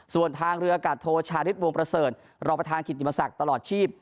ส่วนทางเรือกัตโทชานิฎวงธรรมประเศรษฐ์รอประธานกฤติมาศักดิ์ตลอดชีพ